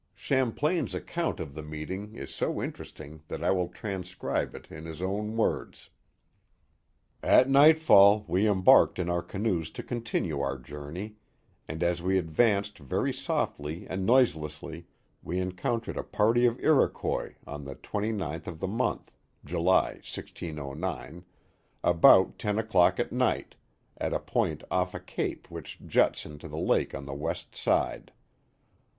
Champlain*s The Mohawks 17 account of the meeting is so interesting that I will transcribe it in his own words: At nightfall we embarked in our canoes to continue our journey, and as we advanced very softly and noiselessly, we encountered a party of Iroquois, on the twenty ninth of the month (July, 1609), about ten o'clock at night, at a point off a cape which juts into the lake on the west side.